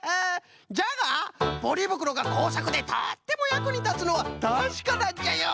じゃがポリぶくろがこうさくでとってもやくにたつのはたしかなんじゃよ！